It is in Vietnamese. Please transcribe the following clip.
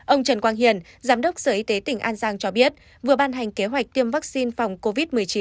ông trần quang hiền giám đốc sở y tế tỉnh an giang cho biết vừa ban hành kế hoạch tiêm vaccine phòng covid một mươi chín